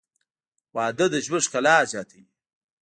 • واده د ژوند ښکلا زیاتوي.